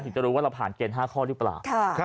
จะรู้ว่าเราผ่านเกณฑ์๕ข้อหรือเปล่า